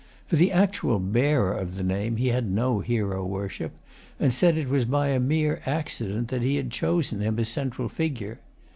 For the actual bearer of the name he had no hero worship, and said it was by a mere accident that he had chosen him as central figure.